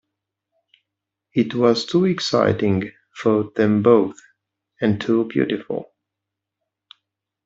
It was too exciting for them both, and too beautiful.